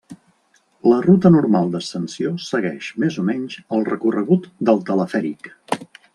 La ruta normal d'ascensió segueix més o menys el recorregut del telefèric.